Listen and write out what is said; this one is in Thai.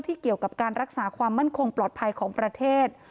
เกี่ยวกับการรักษาความมั่นคงปลอดภัยของประเทศ